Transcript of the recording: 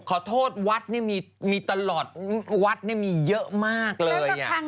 ขอโทษวัดนี่มีตลอดวัดนี่มีเยอะมากเลย